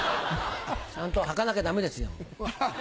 ちゃんとはかなきゃダメですよ。